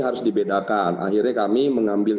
harus dibedakan akhirnya kami mengambil